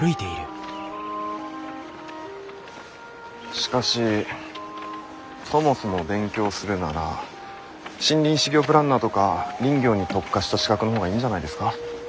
しかしそもそも勉強するなら森林施業プランナーとか林業に特化した資格の方がいいんじゃないですか？